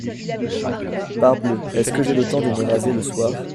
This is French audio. Parbleu ! est-ce que j’ai le temps de me raser le soir ?